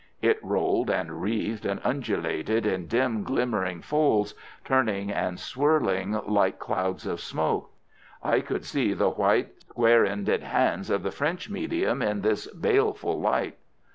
It rolled and wreathed and undulated in dim glimmering folds, turning and swirling like clouds of smoke. I could see the white, square ended hands of the French medium in this baleful light.